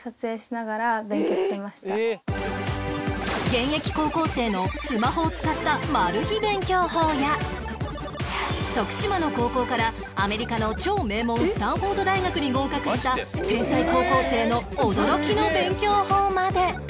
現役高校生の徳島の高校からアメリカの超名門スタンフォード大学に合格した天才高校生の驚きの勉強法まで